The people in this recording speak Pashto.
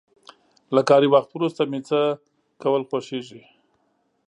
له کاري وخت وروسته مې څه کول خوښيږي؟